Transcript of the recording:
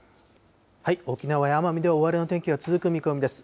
沖縄や奄美で大荒れの天気が続く見込みです。